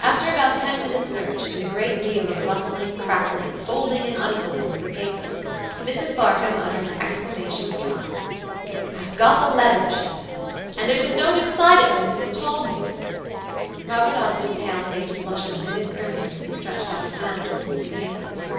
After about ten minutes' search, and a great deal of rustling, crackling, folding and unfolding of the papers, Mrs. Barkamb uttered an exclamation of triumph. "I've got the letter," she said; "and there's a note inside it from Mrs. Talboys." Robert Audley's pale face flushed a vivid crimson as he stretched out his hand to receive the papers.